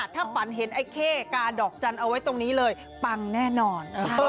ถ้าฝันเห็นไอ้เข้กาดอกจันทร์เอาไว้ตรงนี้เลยปังแน่นอน